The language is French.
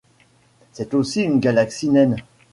C'est aussi une galaxie naine.